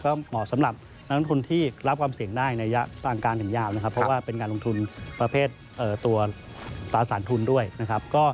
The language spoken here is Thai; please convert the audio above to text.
ก็เหมาะสำหรับนักลงทุนที่รับความเสี่ยงได้ในยะต่างการถึงยาวนะครับ